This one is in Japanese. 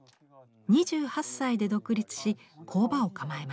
２８歳で独立し工場を構えました。